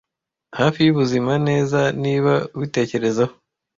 Hafi yubuzima: neza, niba ubitekerezaho.